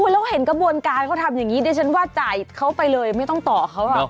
แล้วเห็นกระบวนการเขาทำอย่างนี้ดิฉันว่าจ่ายเขาไปเลยไม่ต้องต่อเขาหรอก